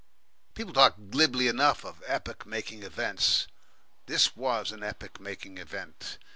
People talk glibly enough of epoch making events; this was an epoch making event.